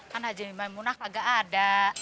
kan aja ini bang munak agak ada